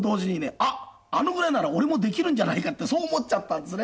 あっあのぐらいなら俺もできるんじゃないかってそう思っちゃったんですね。